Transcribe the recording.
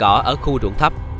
cắt cỏ ở khu ruộng thấp